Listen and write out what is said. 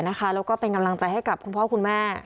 แล้วก็เป็นกำลังใจให้กับคุณพ่อคุณแม่